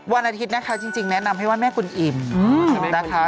วันอาทิตย์นะคะจริงแนะนำให้ไห้แม่กุลอิ่มนะคะ